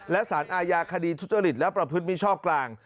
และสารอาญาคดีทุจริตและประพฤติมิชชอบกลาง